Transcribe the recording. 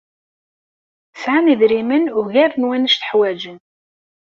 Sɛan idrimen ugar n wanect ḥwajen.